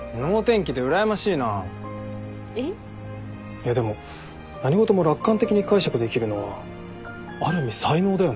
いやでも何事も楽観的に解釈できるのはある意味才能だよな。